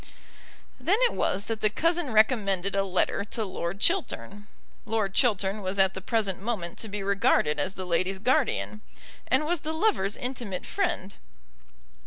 Then it was that the cousin recommended a letter to Lord Chiltern. Lord Chiltern was at the present moment to be regarded as the lady's guardian, and was the lover's intimate friend.